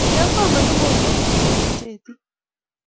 kiasoman lokoiweknyin an gasetii